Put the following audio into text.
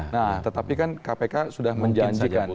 nah tetapi kan kpk sudah menjanjikan